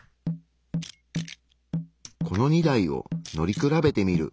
この２台を乗り比べてみる。